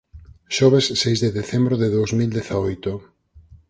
Xoves seis de decembro de dous mil dezaoito.